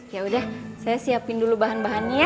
yaudah saya siapin dulu bahan bahannya ya